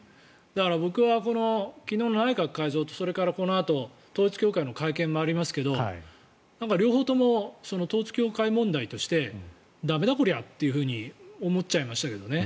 だから、僕は昨日の内閣改造とそれからこのあと統一教会の会見もありますが両方とも統一教会問題として駄目だこりゃというふうに思っちゃいましたけどね。